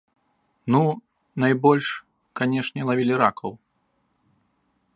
Ну, найбольш, канечне, лавілі ракаў.